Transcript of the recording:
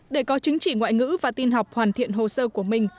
để có chứng chỉ ngoại ngữ và tin học hoàn thiện hồ sơ của mình